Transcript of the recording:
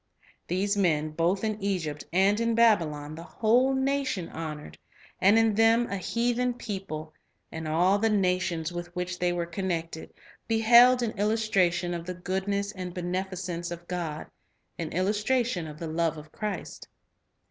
These men, both in Egypt and in Babylon, the whole nation honored; and in them a heathen peo ple, and all the nations with which they were connected, beheld an illustration of the goodness and beneficence of God, an illustration of the love of Christ.